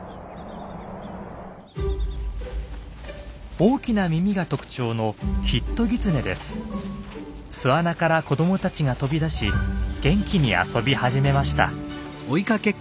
大きな耳が特徴の巣穴から子どもたちが飛び出し元気に遊び始めました。